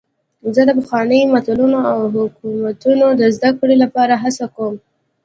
زه د پخوانیو متلونو او حکمتونو د زدهکړې لپاره هڅه کوم.